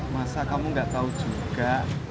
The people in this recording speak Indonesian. masa kamu nggak tahu juga